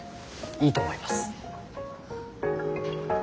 いいと思います。